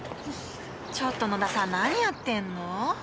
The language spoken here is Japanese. ちょっと野田さん何やってんの？